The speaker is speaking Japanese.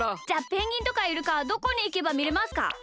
じゃあペンギンとかイルカはどこにいけばみれますか？